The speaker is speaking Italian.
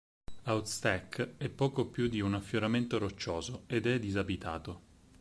Out Stack è poco più di un affioramento roccioso, ed è disabitato.